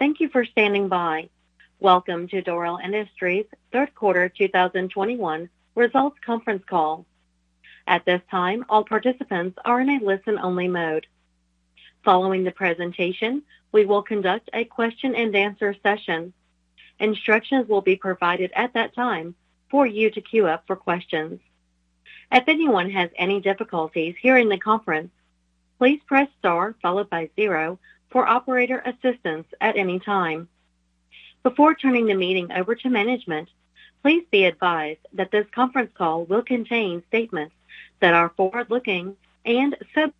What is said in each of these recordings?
Thank you for standing by. Welcome to Dorel Industries Q3 2021 results conference call. At this time, all participants are in a listen-only mode. Following the presentation, we will conduct a question-and-answer session. Instructions will be provided at that time for you to queue up for questions. If anyone has any difficulties hearing the conference, please press Star followed by 0 for operator assistance at any time. Before turning the meeting over to management, please be advised that this conference call will contain statements that are forward-looking and subject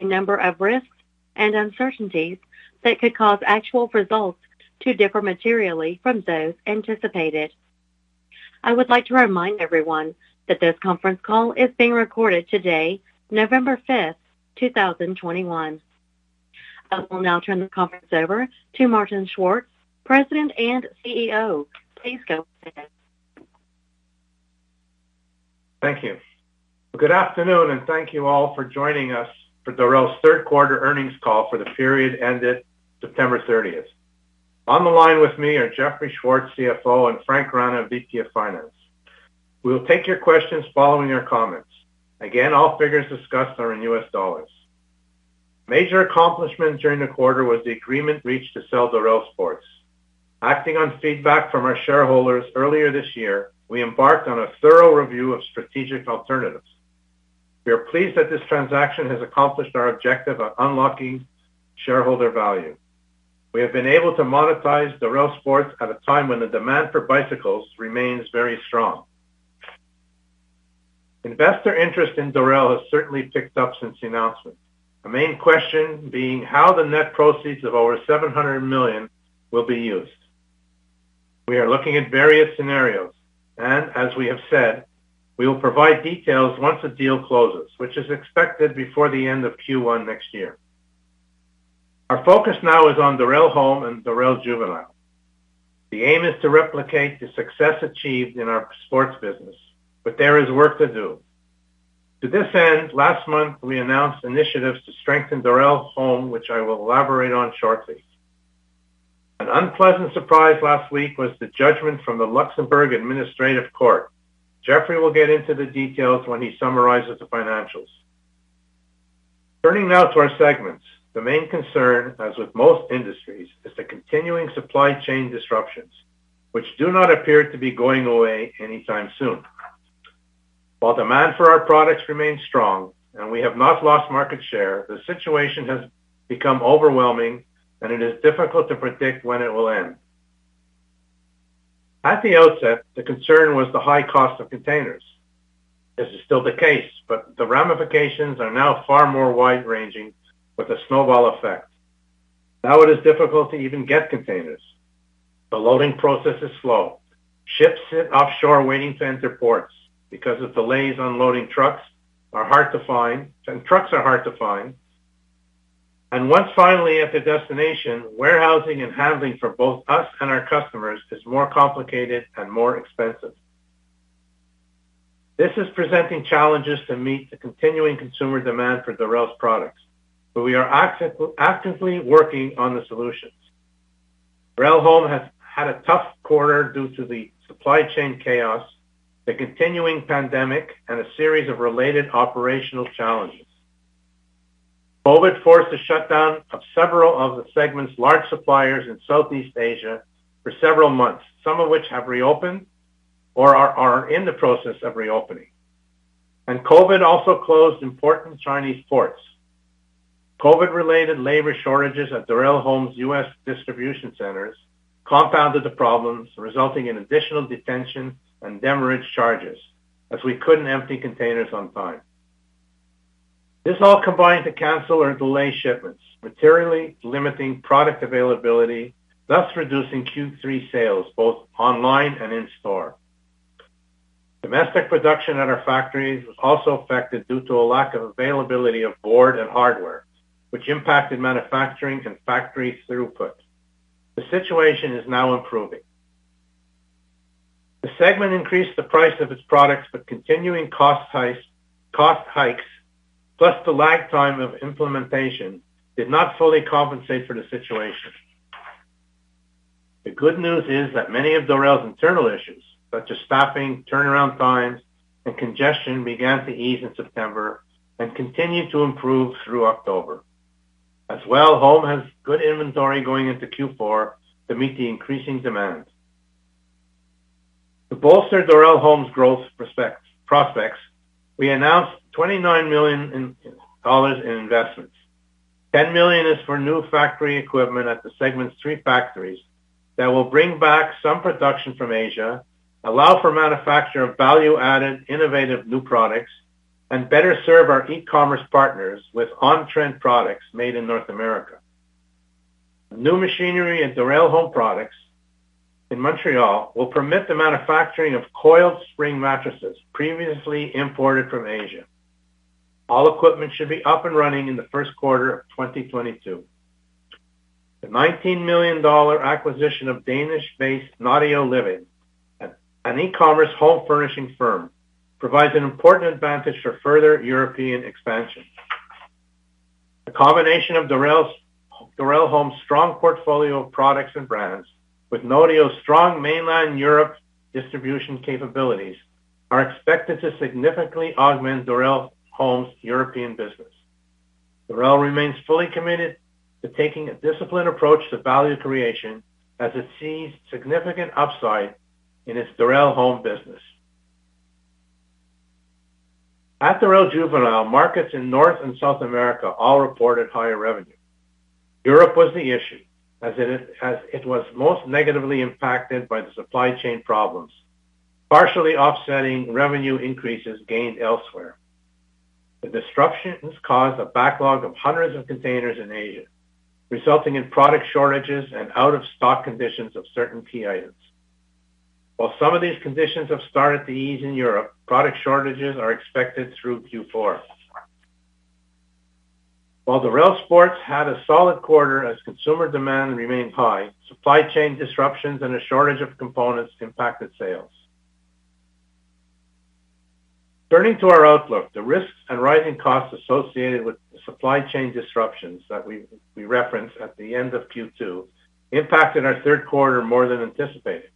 to a number of risks and uncertainties that could cause actual results to differ materially from those anticipated. I would like to remind everyone that this conference call is being recorded today, November 5, 2021. I will now turn the conference over to Martin Schwartz, President and CEO. Please go ahead. Thank you. Good afternoon, and thank you all for joining us for Dorel's 3rd quarter earnings call for the period ended September 13th. On the line with me are Jeffrey Schwartz, CFO, and Frank Rana, VP of Finance. We will take your questions following our comments. Again, all figures discussed are in U.S. dollars. Major accomplishment during the quarter was the agreement reached to sell Dorel Sports. Acting on feedback from our shareholders earlier this year, we embarked on a thorough review of strategic alternatives. We are pleased that this transaction has accomplished our objective of unlocking shareholder value. We have been able to monetize Dorel Sports at a time when the demand for bicycles remains very strong. Investor interest in Dorel has certainly picked up since the announcement. The main question being how the net proceeds of over $700 million will be used. We are looking at various scenarios, and as we have said, we will provide details once the deal closes, which is expected before the end of Q1 next year. Our focus now is on Dorel Home and Dorel Juvenile. The aim is to replicate the success achieved in our sports business, but there is work to do. To this end, last month, we announced initiatives to strengthen Dorel Home, which I will elaborate on shortly. An unpleasant surprise last week was the judgment from the Luxembourg Administrative Court. Jeffrey will get into the details when he summarizes the financials. Turning now to our segments. The main concern, as with most industries, is the continuing supply chain disruptions, which do not appear to be going away anytime soon. While demand for our products remains strong and we have not lost market share, the situation has become overwhelming, and it is difficult to predict when it will end. At the outset, the concern was the high cost of containers. This is still the case, but the ramifications are now far more wide-ranging with a snowball effect. Now it is difficult to even get containers. The loading process is slow. Ships sit offshore waiting to enter ports because of delays, unloading trucks are hard to find, and trucks are hard to find. Once finally at the destination, warehousing and handling for both us and our customers is more complicated and more expensive. This is presenting challenges to meet the continuing consumer demand for Dorel's products, but we are actively working on the solutions. Dorel Home has had a tough quarter due to the supply chain chaos, the continuing pandemic, and a series of related operational challenges. COVID forced the shutdown of several of the segment's large suppliers in Southeast Asia for several months. Some of which have reopened or are in the process of reopening. COVID also closed important Chinese ports. COVID-related labor shortages at Dorel Home's U.S. distribution centers compounded the problems, resulting in additional detention and demurrage charges, as we couldn't empty containers on time. This all combined to cancel or delay shipments, materially limiting product availability, thus reducing Q3 sales both online and in-store. Domestic production at our factories was also affected due to a lack of availability of board and hardware, which impacted manufacturing and factory throughput. The situation is now improving. The segment increased the price of its products, but continuing cost hikes, plus the lag time of implementation did not fully compensate for the situation. The good news is that many of Dorel's internal issues, such as staffing, turnaround times, and congestion, began to ease in September and continued to improve through October. As well, Home has good inventory going into Q4 to meet the increasing demand. To bolster Dorel Home's growth prospects, we announced $29 million in investments. $10 million is for new factory equipment at the segment's three factories that will bring back some production from Asia, allow for manufacture of value-added, innovative new products, and better serve our e-commerce partners with on-trend products made in North America. New machinery at Dorel Home Products in Montreal will permit the manufacturing of coiled spring mattresses previously imported from Asia. All equipment should be up and running in the 1st quarter of 2022. The $19 million acquisition of Danish-based Notio Living, an e-commerce home furnishings firm, provides an important advantage for further European expansion. The combination of Dorel Home's strong portfolio of products and brands with Notio's strong mainland Europe distribution capabilities are expected to significantly augment Dorel Home's European business. Dorel remains fully committed to taking a disciplined approach to value creation as it sees significant upside in its Dorel Home business. At Dorel Juvenile, markets in North and South America all reported higher revenue. Europe was the issue, as it was most negatively impacted by the supply chain problems, partially offsetting revenue increases gained elsewhere. The disruptions caused a backlog of hundreds of containers in Asia, resulting in product shortages and out-of-stock conditions of certain key items. While some of these conditions have started to ease in Europe, product shortages are expected through Q4. While Dorel Sports had a solid quarter as consumer demand remained high, supply chain disruptions and a shortage of components impacted sales. Turning to our outlook, the risks and rising costs associated with the supply chain disruptions that we referenced at the end of Q2 impacted our 3rd quarter more than anticipated.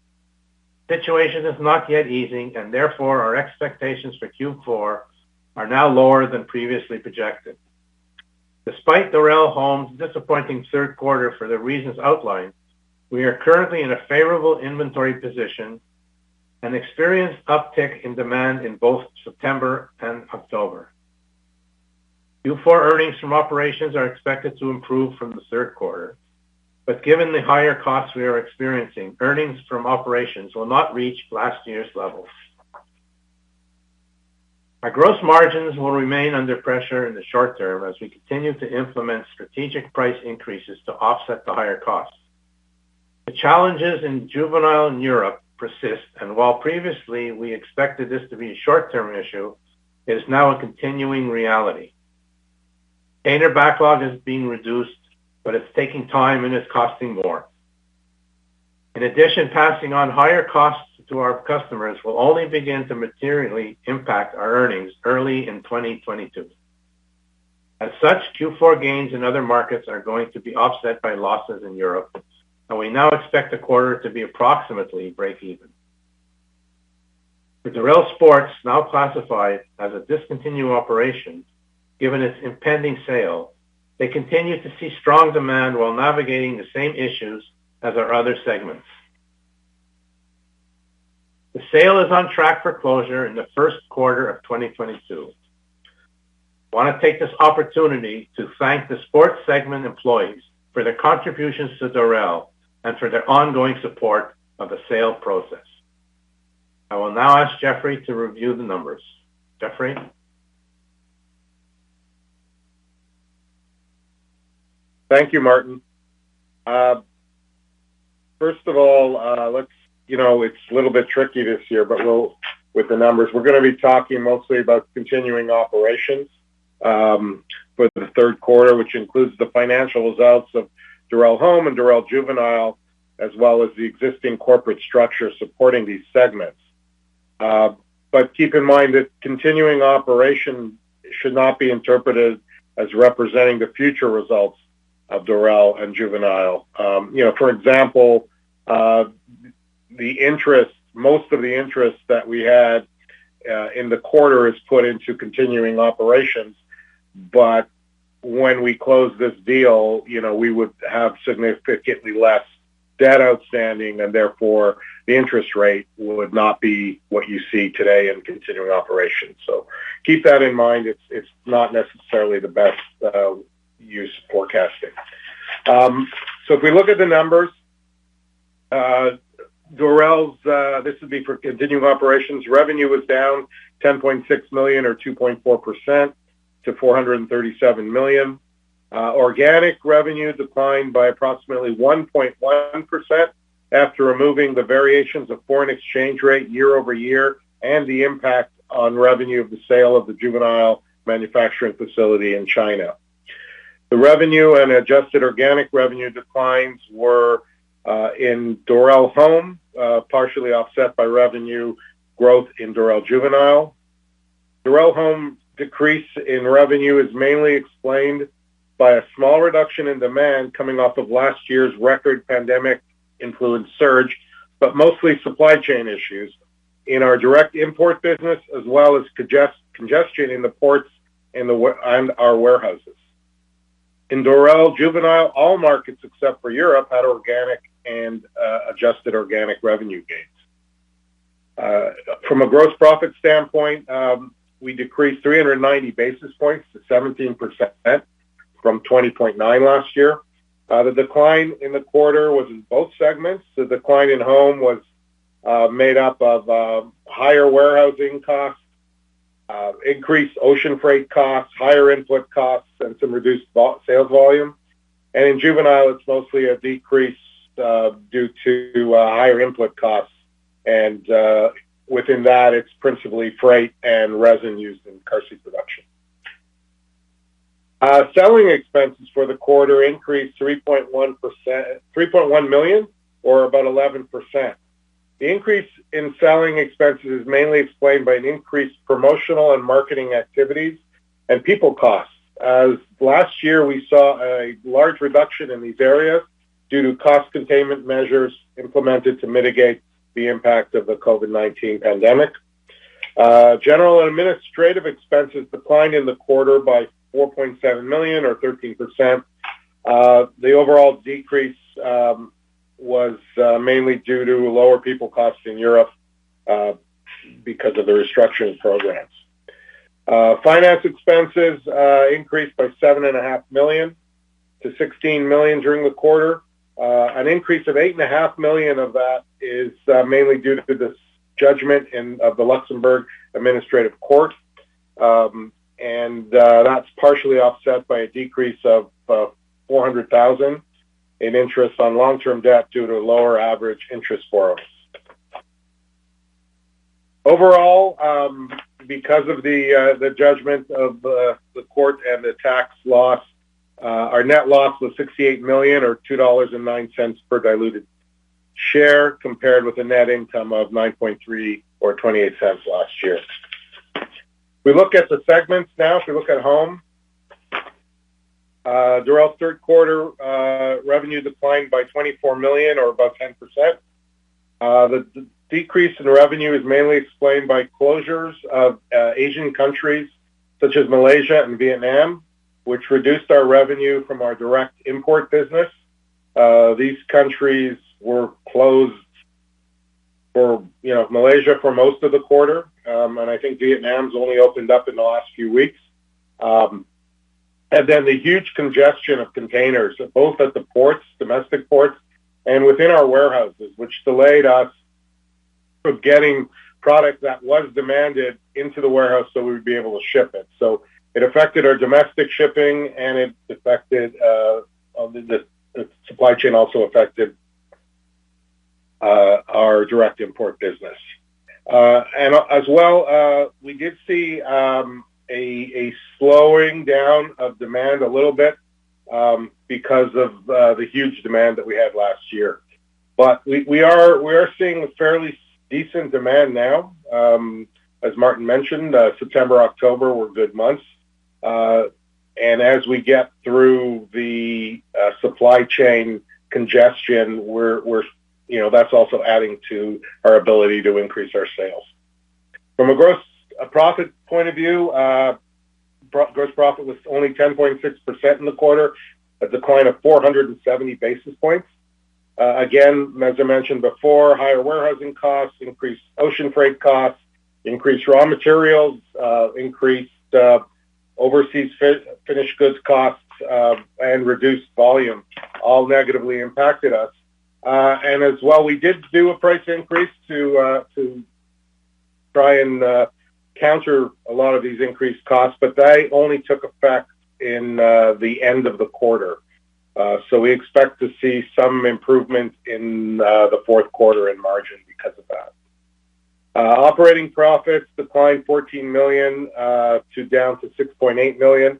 The situation is not yet easing, and therefore, our expectations for Q4 are now lower than previously projected. Despite Dorel Home's disappointing 3rd quarter for the reasons outlined, we are currently in a favorable inventory position and experienced uptick in demand in both September and October. Q4 earnings from operations are expected to improve from the 3rd quarter, but given the higher costs we are experiencing, earnings from operations will not reach last year's levels. Our gross margins will remain under pressure in the short term as we continue to implement strategic price increases to offset the higher costs. The challenges in Juvenile and Europe persist, and while previously we expected this to be a short-term issue, it is now a continuing reality. Container backlog is being reduced, but it's taking time, and it's costing more. In addition, passing on higher costs to our customers will only begin to materially impact our earnings early in 2022. As such, Q4 gains in other markets are going to be offset by losses in Europe, and we now expect the quarter to be approximately breakeven. With Dorel Sports now classified as a discontinued operation, given its impending sale, they continue to see strong demand while navigating the same issues as our other segments. The sale is on track for closure in the 1st quarter of 2022. Want to take this opportunity to thank the sports segment employees for their contributions to Dorel and for their ongoing support of the sale process. I will now ask Jeffrey to review the numbers. Jeffrey? Thank you, Martin. First of all, you know, it's a little bit tricky this year with the numbers. We're gonna be talking mostly about continuing operations for the 3rd quarter, which includes the financial results of Dorel Home and Dorel Juvenile, as well as the existing corporate structure supporting these segments. Keep in mind that continuing operations should not be interpreted as representing the future results of Dorel and Juvenile. You know, for example, most of the interest that we had in the quarter is put into continuing operations. When we close this deal, you know, we would have significantly less debt outstanding, and therefore, the interest rate would not be what you see today in continuing operations. Keep that in mind. It's not necessarily the best use for forecasting. If we look at the numbers, Dorel's this would be for continuing operations. Revenue was down $10.6 million or 2.4% to $437 million. Organic revenue declined by approximately 1.1% after removing the variations of foreign exchange rate year over year and the impact on revenue of the sale of the Juvenile manufacturing facility in China. The revenue and adjusted organic revenue declines were in Dorel Home partially offset by revenue growth in Dorel Juvenile. Dorel Home decrease in revenue is mainly explained by a small reduction in demand coming off of last year's record pandemic-influenced surge, but mostly supply chain issues in our direct import business as well as congestion in the ports and our warehouses. In Dorel Juvenile, all markets except for Europe had organic and adjusted organic revenue gains. From a gross profit standpoint, we decreased 390 basis points to 17% from 20.9% last year. The decline in the quarter was in both segments. The decline in Home was made up of higher warehousing costs, increased ocean freight costs, higher input costs, and some reduced sales volume. In Juvenile, it's mostly a decrease due to higher input costs. Within that, it's principally freight and resin used in car seat production. Selling expenses for the quarter increased 3.1%, $3.1 million, or about 11%. The increase in selling expenses is mainly explained by increased promotional and marketing activities and people costs. As last year, we saw a large reduction in these areas due to cost containment measures implemented to mitigate the impact of the COVID-19 pandemic. General and administrative expenses declined in the quarter by $4.7 million or 13%. The overall decrease was mainly due to lower people costs in Europe because of the restructuring programs. Finance expenses increased by $7.5 million to $16 million during the quarter. An increase of $8.5 million of that is mainly due to this judgment of the Luxembourg Administrative Court. That's partially offset by a decrease of $400,000 in interest on long-term debt due to lower average interest for us. Overall, because of the judgment of the court and the tax loss, our net loss was $68 million, or $2.09 per diluted share, compared with a net income of $9.3 million or $0.28 last year. If we look at the segments now, if you look at home, Dorel's 3rd quarter revenue declined by $24 million or about 10%. The decrease in revenue is mainly explained by closures of Asian countries such as Malaysia and Vietnam, which reduced our revenue from our direct import business. These countries were closed for, you know, Malaysia for most of the quarter. I think Vietnam's only opened up in the last few weeks. The huge congestion of containers, both at the ports, domestic ports and within our warehouses, which delayed us from getting product that was demanded into the warehouse, so we would be able to ship it. It affected our domestic shipping, and the supply chain also affected our direct import business. We did see a slowing down of demand a little bit because of the huge demand that we had last year. We are seeing fairly decent demand now. As Martin mentioned, September, October were good months. As we get through the supply chain congestion, we're, you know, that's also adding to our ability to increase our sales. From a gross profit point of view, gross profit was only 10.6% in the quarter, a decline of 470 basis points. Again, as I mentioned before, higher warehousing costs, increased ocean freight costs, increased raw materials, increased overseas finished goods costs, and reduced volume all negatively impacted us. As well, we did do a price increase to try and counter a lot of these increased costs, but they only took effect in the end of the quarter. We expect to see some improvement in the 4th quarter in margin because of that. Operating profits declined $14 million down to $6.8 million,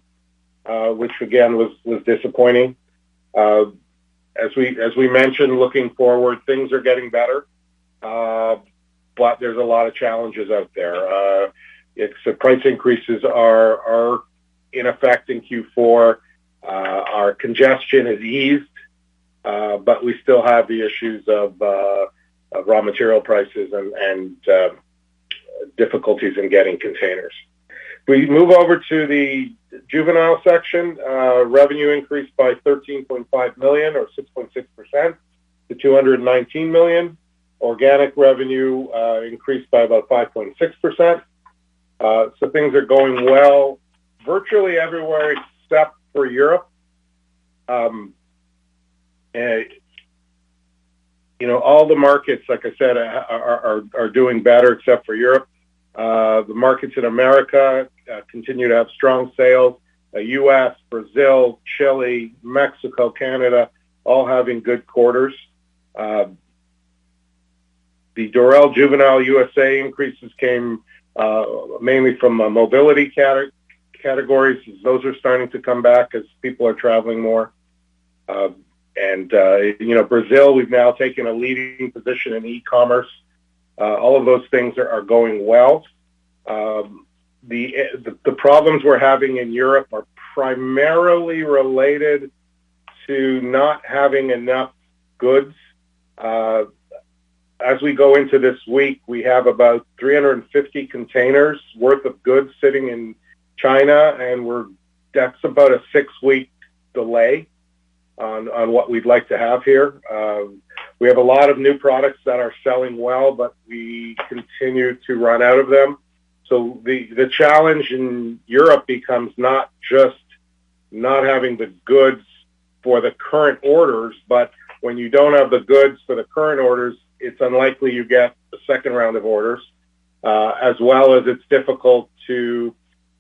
which again, was disappointing. As we mentioned, looking forward, things are getting better, but there's a lot of challenges out there. The price increases are in effect in Q4. Our congestion has eased, but we still have the issues of raw material prices and difficulties in getting containers. We move over to the Juvenile section. Revenue increased by $13.5 million or 6.6% to $219 million. Organic revenue increased by about 5.6%. So things are going well virtually everywhere except for Europe. You know, all the markets, like I said, are doing better except for Europe. The markets in America continue to have strong sales. U.S., Brazil, Chile, Mexico, Canada, all having good quarters. The Dorel Juvenile USA increases came mainly from mobility categories. Those are starting to come back as people are traveling more. You know, Brazil, we've now taken a leading position in e-commerce. All of those things are going well. The problems we're having in Europe are primarily related to not having enough goods. As we go into this week, we have about 350 containers worth of goods sitting in China, and that's about a 6 week delay on what we'd like to have here. We have a lot of new products that are selling well, but we continue to run out of them. The challenge in Europe becomes not just not having the goods for the current orders, but when you don't have the goods for the current orders, it's unlikely you get the second round of orders. As well as it's difficult to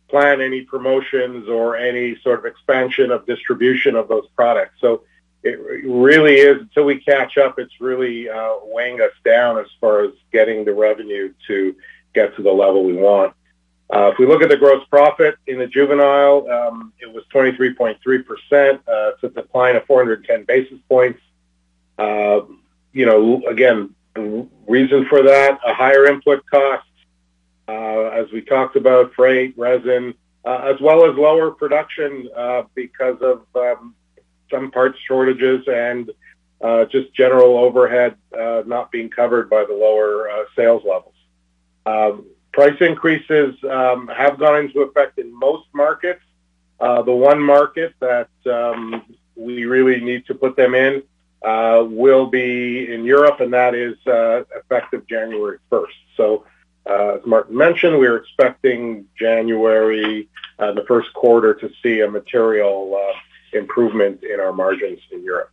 plan any promotions or any sort of expansion of distribution of those products. It really is until we catch up, it's really weighing us down as far as getting the revenue to get to the level we want. If we look at the gross profit in the Juvenile, it was 23.3%. It's a decline of 410 basis points. You know, again, reason for that, a higher input cost, as we talked about, freight, resin, as well as lower production, because of some parts shortages and just general overhead not being covered by the lower sales levels. Price increases have gone into effect in most markets. The one market that we really need to put them in will be in Europe, and that is effective January first. As Martin mentioned, we're expecting January, the first quarter to see a material improvement in our margins in Europe.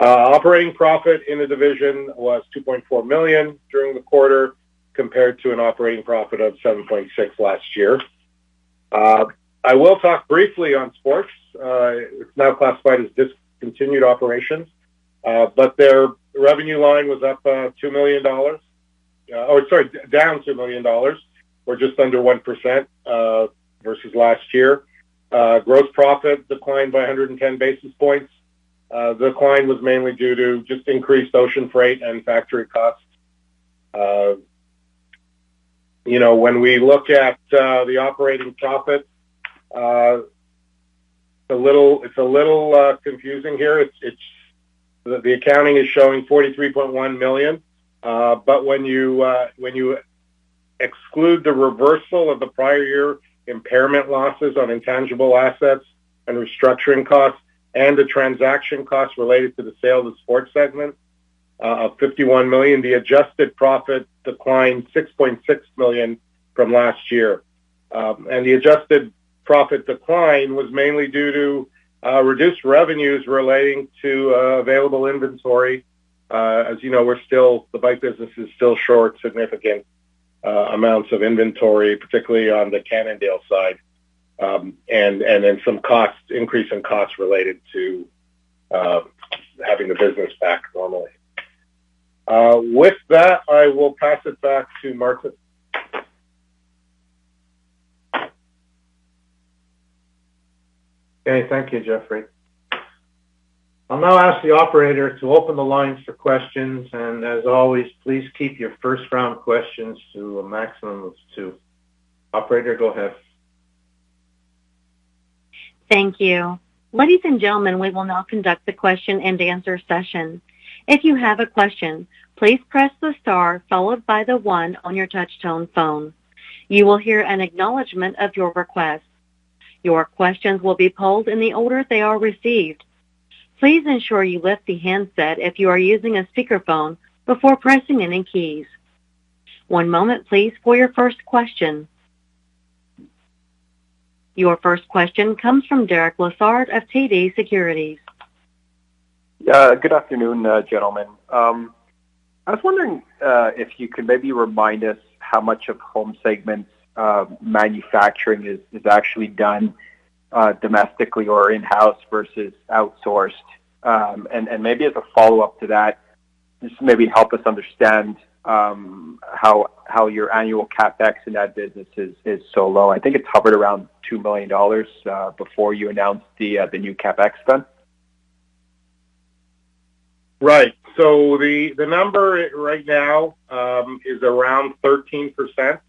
Operating profit in the division was $2.4 million during the quarter compared to an operating profit of $7.6 million last year. I will talk briefly on sports. It's now classified as discontinued operations, but their revenue line was up $2 million. Oh, sorry, down $2 million, or just under 1% versus last year. Gross profit declined by 110 basis points. Decline was mainly due to just increased ocean freight and factory costs. You know, when we look at the operating profit, it's a little confusing here. The accounting is showing $43.1 million, but when you exclude the reversal of the prior year impairment losses on intangible assets and restructuring costs and the transaction costs related to the sale of the sports segment of $51 million, the adjusted profit declined $6.6 million from last year. The adjusted profit decline was mainly due to reduced revenues relating to available inventory. As you know, the bike business is still short significant amounts of inventory, particularly on the Cannondale side. Then some increase in costs related to having the business back normally. With that, I will pass it back to Martin. Okay. Thank you, Jeffrey. I'll now ask the operator to open the lines for questions. As always, please keep your first-round questions to a maximum of two. Operator, go ahead. Thank you. Ladies and gentlemen, we will now conduct the question-and-answer session. If you have a question, please press the star followed by the 1 on your touchtone phone. You will hear an acknowledgement of your request. Your questions will be pulled in the order they are received. Please ensure you lift the handset if you are using a speakerphone before pressing any keys. One moment please for your first question. Your first question comes from Derek Lessard of TD Securities. Good afternoon, gentlemen. I was wondering if you could maybe remind us how much of Home segment manufacturing is actually done domestically or in-house versus outsourced. Maybe as a follow-up to that, just maybe help us understand how your annual CapEx in that business is so low. I think it hovered around $2 million before you announced the new CapEx spend. Right. The number right now is around 13%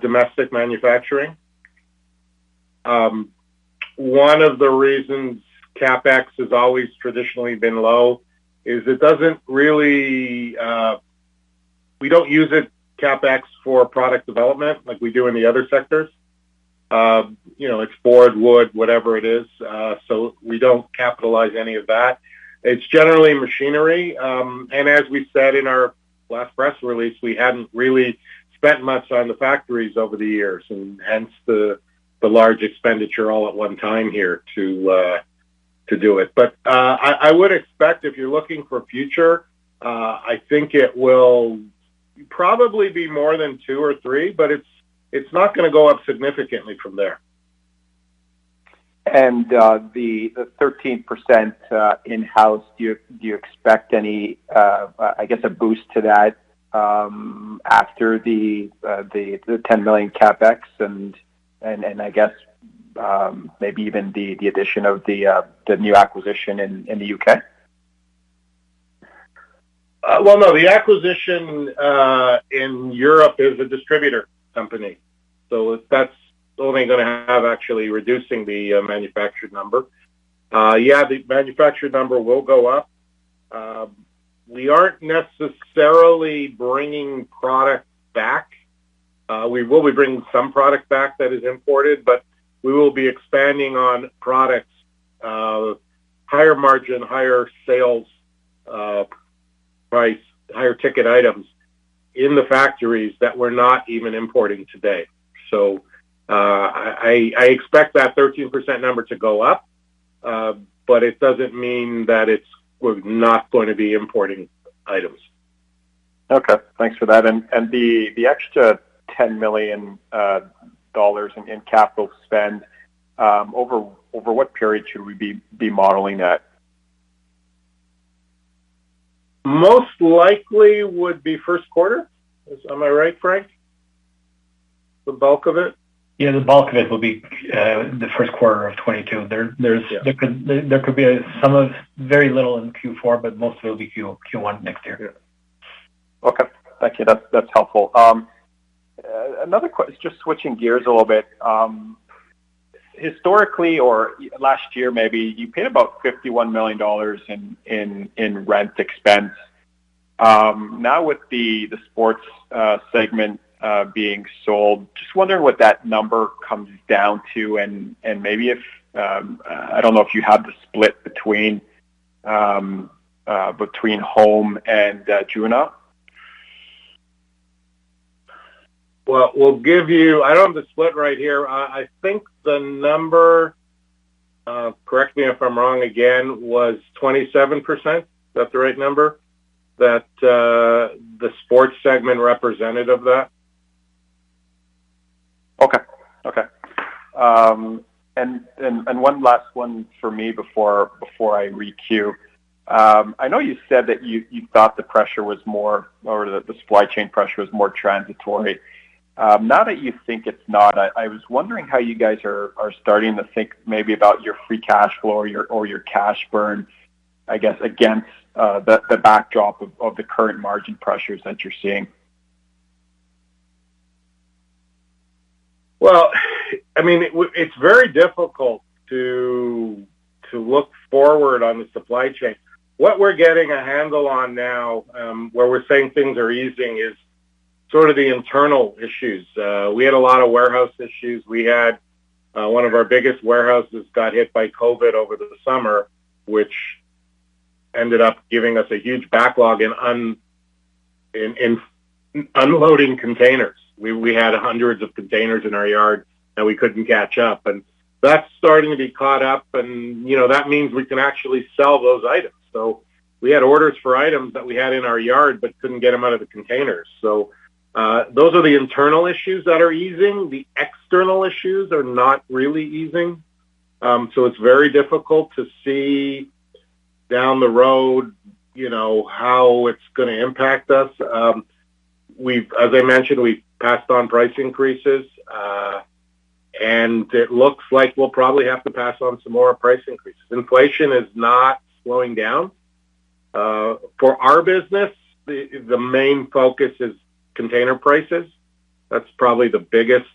domestic manufacturing. One of the reasons CapEx has always traditionally been low is we don't use it, CapEx, for product development like we do in the other sectors. You know, it's board, wood, whatever it is. We don't capitalize any of that. It's generally machinery. As we said in our last press release, we hadn't really spent much on the factories over the years, and hence the large expenditure all at one time here to do it. I would expect if you're looking for future, I think it will probably be more than 2 or 3, but it's not gonna go up significantly from there. The 13% in-house, do you expect any, I guess, a boost to that after the $10 million CapEx and I guess maybe even the addition of the new acquisition in the U.K.? Well, no, the acquisition in Europe is a distributor company. That's only going to actually reduce the manufactured number. The manufactured number will go up. We aren't necessarily bringing product back. We will be bringing some product back that is imported, but we will be expanding on products higher margin, higher sales price, higher ticket items in the factories that we're not even importing today. I expect that 13% number to go up, but it doesn't mean that we're not gonna be importing items. Okay. Thanks for that. The extra $10 million in capital spend over what period should we be modeling that? Most likely would be 1st quarter. Am I right, Frank? The bulk of it. Yeah, the bulk of it will be the 1st quarter of 2022. There could be some or very little in Q4, but most of it will be in Q1 next year. Yeah. Okay. Thank you. That's helpful. Just switching gears a little bit. Historically or last year maybe, you paid about $51 million in rent expense. Now with the sports segment being sold, just wondering what that number comes down to and maybe if I don't know if you have the split between Home and Juvenile. Well, we'll give you. I don't have the split right here. I think the number, correct me if I'm wrong again, was 27%. Is that the right number? That the sports segment represented of that. Okay, one last one for me before I requeue. I know you said that you thought the pressure was more on the supply chain pressure was more transitory. Now that you think it's not, I was wondering how you guys are starting to think maybe about your free cash flow or your cash burn, I guess, against the backdrop of the current margin pressures that you're seeing. Well, I mean, it's very difficult to look forward on the supply chain. What we're getting a handle on now, where we're saying things are easing is sort of the internal issues. We had a lot of warehouse issues. We had one of our biggest warehouses got hit by COVID over the summer, which ended up giving us a huge backlog in unloading containers. We had hundreds of containers in our yard, and we couldn't catch up. That's starting to be caught up and, you know, that means we can actually sell those items. We had orders for items that we had in our yard but couldn't get them out of the containers. Those are the internal issues that are easing. The external issues are not really easing. It's very difficult to see down the road, you know, how it's gonna impact us. As I mentioned, we've passed on price increases, and it looks like we'll probably have to pass on some more price increases. Inflation is not slowing down. For our business, the main focus is container prices. That's probably the biggest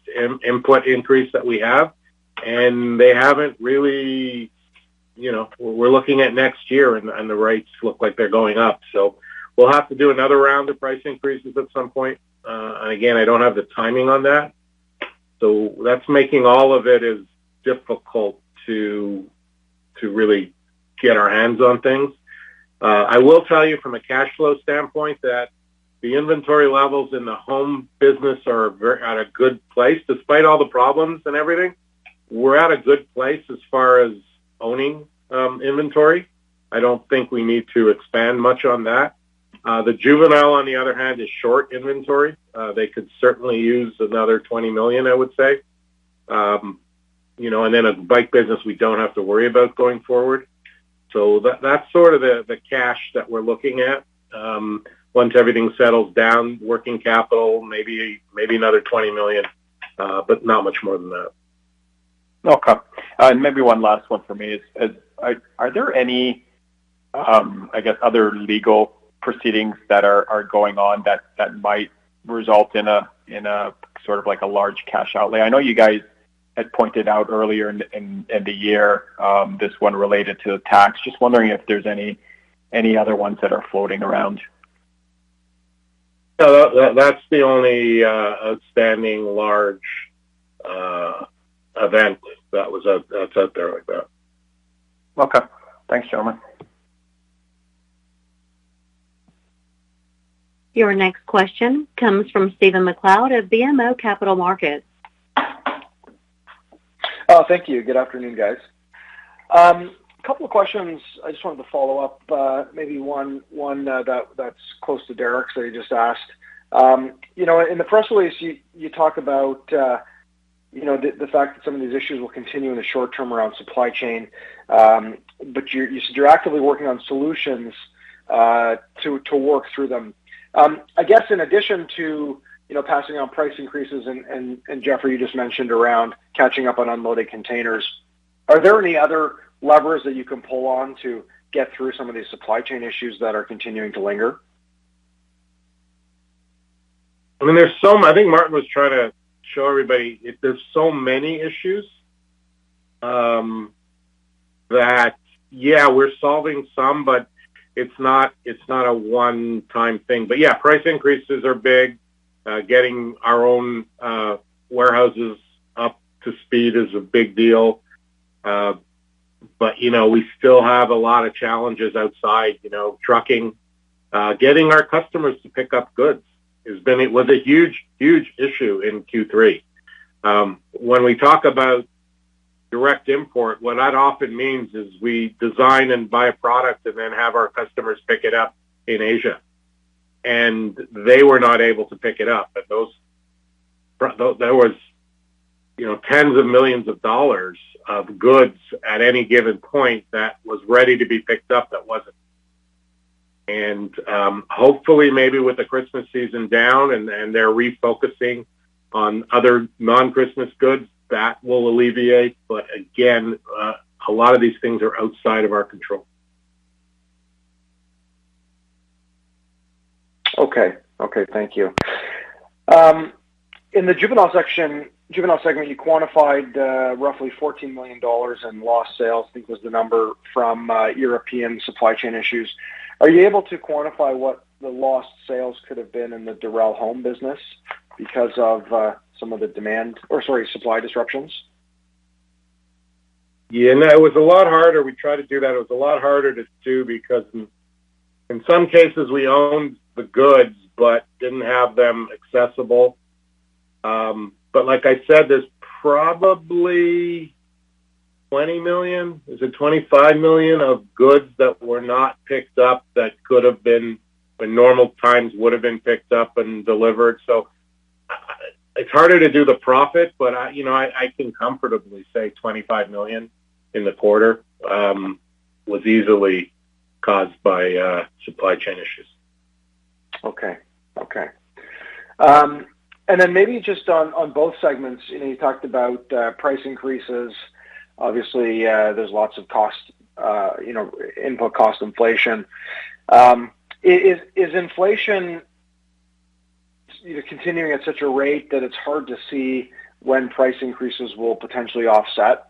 input increase that we have. They haven't really, you know. We're looking at next year and the rates look like they're going up. We'll have to do another round of price increases at some point. Again, I don't have the timing on that. That's making all of it is difficult to really get our hands on things. I will tell you from a cash flow standpoint that the inventory levels in the Home business are at a good place. Despite all the problems and everything, we're at a good place as far as owning inventory. I don't think we need to expand much on that. The Juvenile, on the other hand, is short inventory. They could certainly use another $20 million, I would say. You know, and then the bike business, we don't have to worry about going forward. That, that's sort of the cash that we're looking at. Once everything settles down, working capital, maybe another $20 million, but not much more than that. Okay. Maybe one last one for me is, are there any, I guess, other legal proceedings that are going on that might result in a sort of like a large cash outlay? I know you guys had pointed out earlier in the year this one related to tax. Just wondering if there's any other ones that are floating around. No. That's the only outstanding large event that's out there like that. Okay. Thanks, gentlemen. Your next question comes from Stephen MacLeod of BMO Capital Markets. Oh, thank you. Good afternoon, guys. Couple of questions. I just wanted to follow up, maybe one that's close to Derek's that he just asked. You know, in the press release, you talk about, you know, the fact that some of these issues will continue in the short term around supply chain. You said you're actively working on solutions to work through them. I guess in addition to, you know, passing on price increases and Jeffrey, you just mentioned around catching up on unloaded containers, are there any other levers that you can pull on to get through some of these supply chain issues that are continuing to linger? I mean, there's some. I think Martin was trying to show everybody there's so many issues that, yeah, we're solving some, but it's not a one-time thing. Yeah, price increases are big. Getting our own warehouses up to speed is a big deal. You know, we still have a lot of challenges outside, you know, trucking. Getting our customers to pick up goods was a huge issue in Q3. When we talk about direct import, what that often means is we design and buy a product and then have our customers pick it up in Asia. They were not able to pick it up at those. There was, you know, $ tens of millions of goods at any given point that was ready to be picked up that wasn't. Hopefully maybe with the Christmas season down and they're refocusing on other non-Christmas goods, that will alleviate. Again, a lot of these things are outside of our control. Okay, thank you. In the Juvenile segment, you quantified roughly $14 million in lost sales, I think was the number from European supply chain issues. Are you able to quantify what the lost sales could have been in the Dorel Home business because of some of the supply disruptions? Yeah. No, it was a lot harder. We tried to do that. It was a lot harder to do because in some cases we owned the goods but didn't have them accessible. But like I said, there's probably $20 million. Is it $25 million of goods that were not picked up that could have been, in normal times would have been picked up and delivered? It's harder to do the profit, but you know, I can comfortably say $25 million in the quarter was easily caused by supply chain issues. Okay. Maybe just on both segments, you know, you talked about price increases. Obviously, there's lots of costs, you know, input cost inflation. Is inflation either continuing at such a rate that it's hard to see when price increases will potentially offset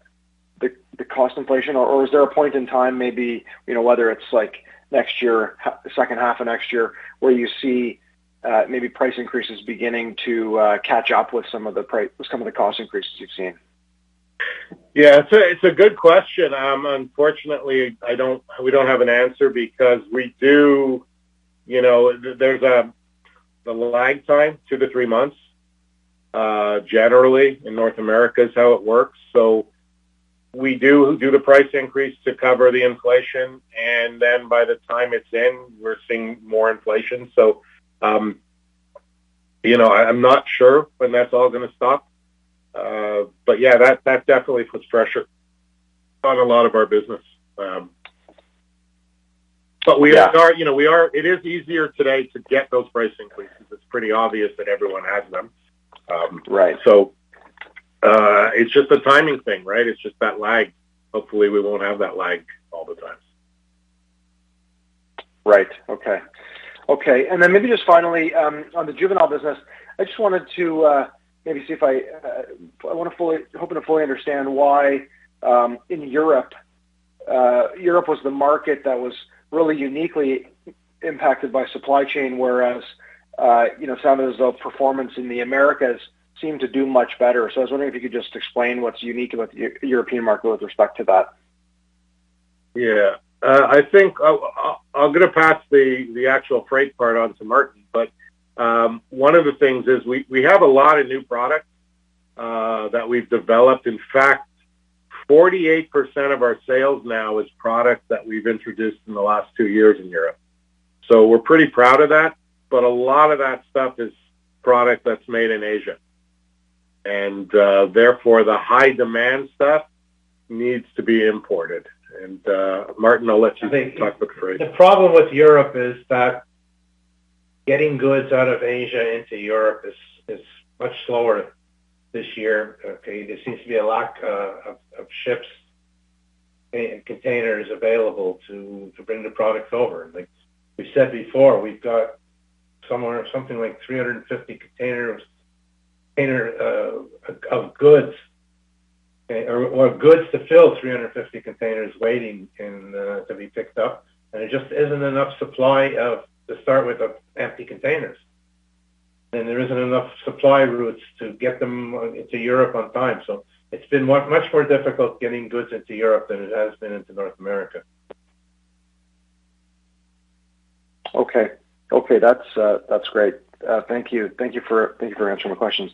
the cost inflation or is there a point in time maybe, you know, whether it's like next year, the second half of next year where you see maybe price increases beginning to catch up with some of the cost increases you've seen? Yeah. It's a good question. Unfortunately, we don't have an answer because there's the lag time, 2-3 months generally in North America is how it works. We do the price increase to cover the inflation, and then by the time it's in, we're seeing more inflation. You know, I'm not sure when that's all gonna stop. Yeah, that definitely puts pressure on a lot of our business. We are- Yeah. You know, it is easier today to get those price increases. It's pretty obvious that everyone has them. Right. It's just a timing thing, right? It's just that lag. Hopefully, we won't have that lag all the time. Right. Okay. Then maybe just finally, on the Juvenile business, hoping to fully understand why in Europe was the market that was really uniquely impacted by supply chain, whereas, you know, it sounded as though performance in the Americas seemed to do much better. I was wondering if you could just explain what's unique about the European market with respect to that. Yeah. I think I'm gonna pass the actual freight part on to Martin, but one of the things is we have a lot of new product that we've developed. In fact, 48% of our sales now is product that we've introduced in the last 2 years in Europe. We're pretty proud of that, but a lot of that stuff is product that's made in Asia. Martin, I'll let you talk with freight. I think the problem with Europe is that getting goods out of Asia into Europe is much slower this year. There seems to be a lack of ships and containers available to bring the products over. Like we said before, we've got somewhere something like 350 containers of goods or goods to fill 350 containers waiting to be picked up. There just isn't enough supply of, to start with, empty containers. There isn't enough supply routes to get them into Europe on time. It's been much more difficult getting goods into Europe than it has been into North America. Okay. That's great. Thank you for answering my questions.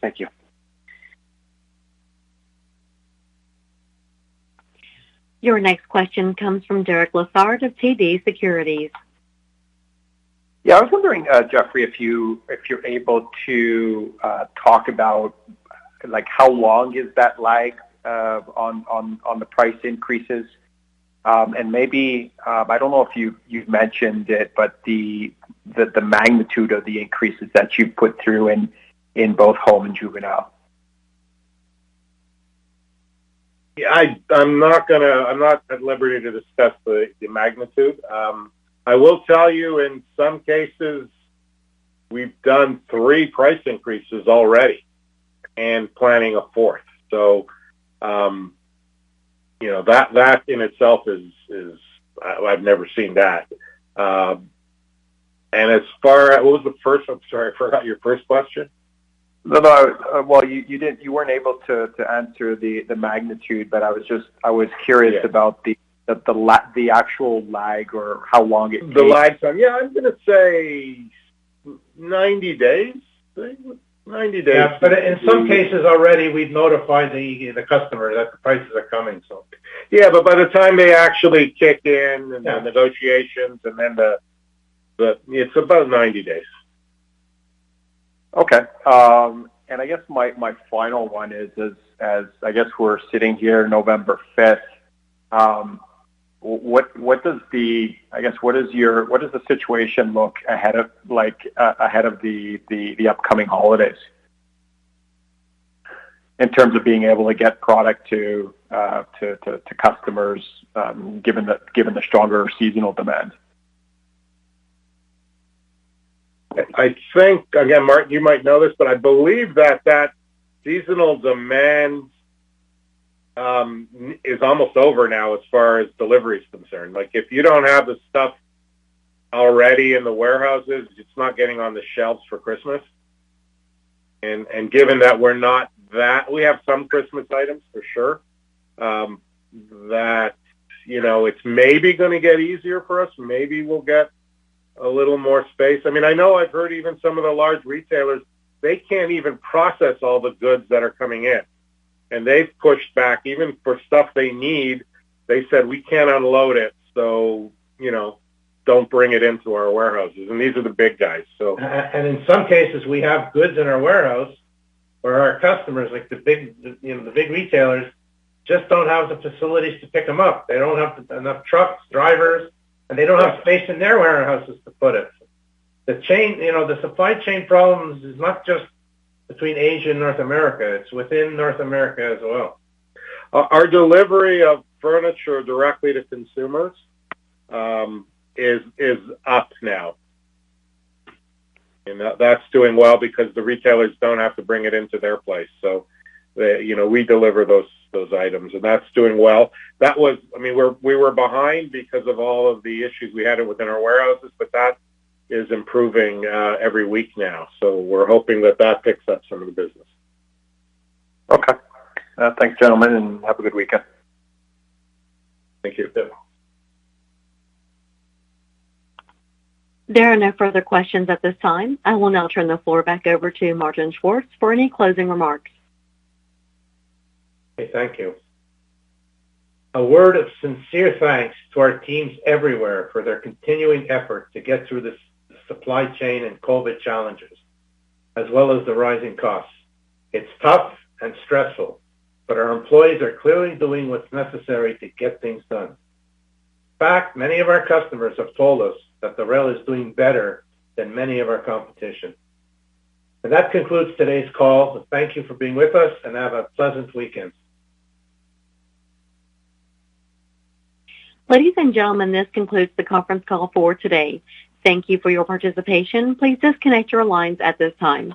Your next question comes from Derek Lessard of TD Securities. Yeah. I was wondering, Jeffrey, if you're able to talk about, like, how long is that lag on the price increases? Maybe, I don't know if you've mentioned it, but the magnitude of the increases that you've put through in both Home and Juvenile. Yeah, I'm not at liberty to discuss the magnitude. I will tell you in some cases, we've done 3 price increases already and planning a 4th. You know, that in itself is. I've never seen that. What was the first? I'm sorry. I forgot your first question. No. Well, you weren't able to answer the magnitude, but I was just curious- Yeah. about the actual lag or how long it takes. The lag time. Yeah. I'm gonna say 90 days. I think 90 days. Yeah. In some cases already, we've notified the customer that the prices are coming, so. Yeah. By the time they actually kick in. Yeah. It's about 90 days. Okay. I guess my final one is as I guess we're sitting here November 5th, what does the situation look like ahead of the upcoming holidays in terms of being able to get product to customers, given the stronger seasonal demand? I think, again, Martin, you might know this, but I believe that seasonal demand is almost over now as far as delivery is concerned. Like, if you don't have the stuff already in the warehouses, it's not getting on the shelves for Christmas. Given that we're not. We have some Christmas items for sure that you know, it's maybe gonna get easier for us. Maybe we'll get a little more space. I mean, I know I've heard even some of the large retailers, they can't even process all the goods that are coming in. They've pushed back even for stuff they need. They said, "We can't unload it, so, you know, don't bring it into our warehouses." These are the big guys, so. In some cases, we have goods in our warehouse where our customers, like the big, you know, the big retailers, just don't have the facilities to pick them up. They don't have enough trucks, drivers, and they don't have space in their warehouses to put it. You know, the supply chain problems is not just between Asia and North America. It's within North America as well. Our delivery of furniture directly to consumers is up now. That's doing well because the retailers don't have to bring it into their place. You know, we deliver those items, and that's doing well. I mean, we were behind because of all of the issues we had within our warehouses, but that is improving every week now. We're hoping that picks up some of the business. Okay. Thanks, gentlemen, and have a good weekend. Thank you. You too. There are no further questions at this time. I will now turn the floor back over to Martin Schwartz for any closing remarks. Okay, thank you. A word of sincere thanks to our teams everywhere for their continuing effort to get through this supply chain and COVID challenges, as well as the rising costs. It's tough and stressful, but our employees are clearly doing what's necessary to get things done. In fact, many of our customers have told us that Dorel is doing better than many of our competition. That concludes today's call. Thank you for being with us, and have a pleasant weekend. Ladies and gentlemen, this concludes the conference call for today. Thank you for your participation. Please disconnect your lines at this time.